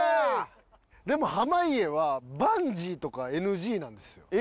でも濱家はバンジーとかＮＧなんですよ。